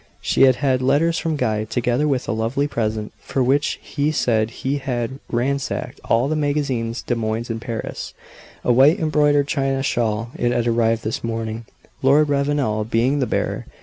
She had had letters from Guy; together with a lovely present, for which he said he had ransacked all the magazins des modes in Paris a white embroidered China shawl. It had arrived this morning Lord Ravenel being the bearer.